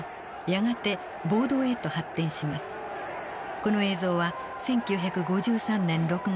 この映像は１９５３年６月。